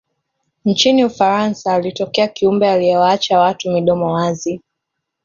nchini ufaransa alitokea kiumbe aliyewaacha watu midomo wazi